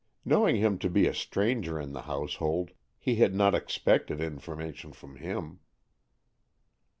Knowing him to be a stranger in the household, he had not expected information from him.